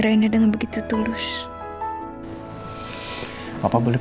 kok badan besar sekali sih